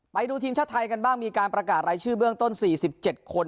ไปดูทีมชาติไทยกันบ้างมีการประกาศรายชื่อเบื้องต้น๔๗คน